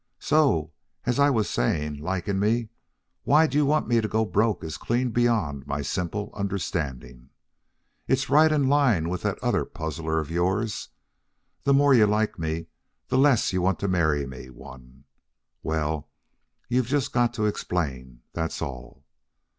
So, as I was saying: liking me, why you'd want me to go broke is clean beyond my simple understanding. It's right in line with that other puzzler of yours, the more you like me the less you want to marry me one. Well, you've just got to explain, that's all."